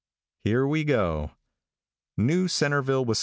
Here we go "New Centreville, Wis.